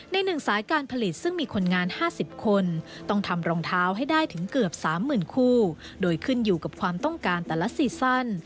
หนึ่งสายการผลิตซึ่งมีคนงาน๕๐คนต้องทำรองเท้าให้ได้ถึงเกือบ๓๐๐๐คู่โดยขึ้นอยู่กับความต้องการแต่ละซีซั่น